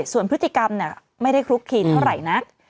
ส่วนพฤติกรรมไม่ได้คลุกคีนเท่าไหร่นัก